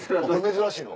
珍しいの？